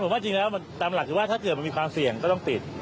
ผมว่าจริงแล้วมันตามหลักคือว่าถ้าเกิดมันมีความเสี่ยงก็ต้องติด